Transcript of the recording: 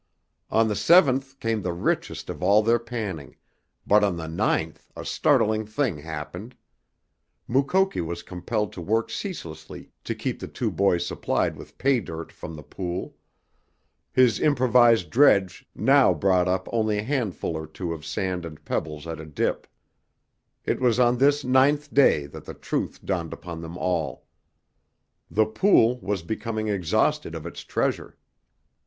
On the seventh came the richest of all their panning, but on the ninth a startling thing happened. Mukoki was compelled to work ceaselessly to keep the two boys supplied with "pay dirt" from the pool. His improvised dredge now brought up only a handful or two of sand and pebbles at a dip. It was on this ninth day that the truth dawned upon them all. The pool was becoming exhausted of its treasure!